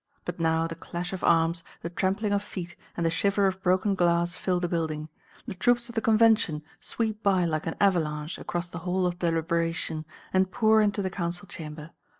But now the clash of arms, the trampling of feet and the shiver of broken glass fill the building. The troops of the Convention sweep by like an avalanche across the Hall of Deliberation, and pour into the Council Chamber.